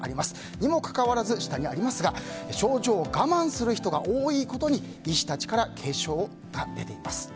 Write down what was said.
にもかかわらず症状を我慢する人が多いことに医師たちから警鐘が出ています。